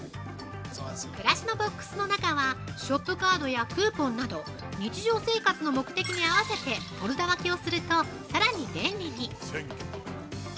◆暮らしのボックスの中は、ショップカードやクーポンなど日常生活の目的に合わせてフォルダ分けをすると、さらに便利に！